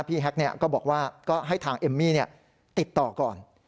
พี่แฮคเนี่ยก็บอกว่าก็ให้ทางเอมมี่ติดต่อก่อน